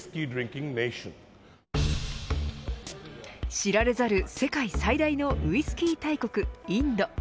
知られざる世界最大のウイスキー大国、インド。